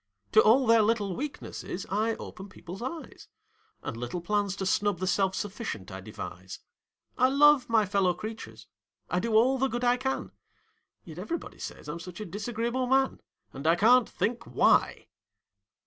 To all their little weaknesses I open people's eyes And little plans to snub the self sufficient I devise; I love my fellow creatures I do all the good I can Yet everybody say I'm such a disagreeable man! And I can't think why!